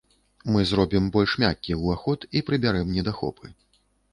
Мы зробім больш мяккі ўваход і прыбярэм недахопы.